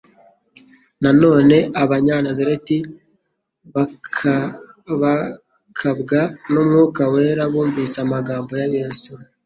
Na none abanyanazareti bakabakabwa n'Umwuka wera bumvise amagambo ya Yesu.